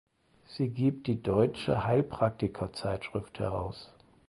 Sie gibt die "Deutsche Heilpraktiker Zeitschrift" heraus.